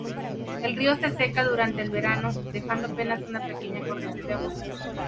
El río se seca durante el verano, dejando apenas una pequeña corriente de agua.